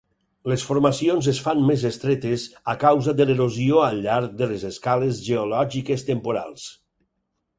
Les formacions es fan més estretes a causa de l'erosió al llarg de les escales geològiques temporals.